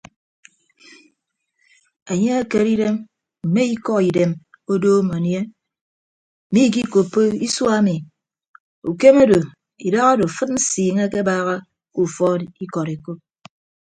Enye ekere idem mme ikọ idem odoom anie mmikikoppo isua ami ukem odo idahado afịd nsiiñe akebaaha ke ufọọd ikọd ekop.